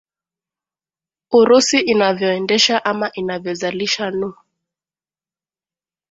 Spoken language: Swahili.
urusi inavyoendesha ama inavyo zalisha nu